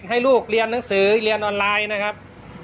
ให้ลูกเรียนหนังสือเรียนออนไลน์นะครับ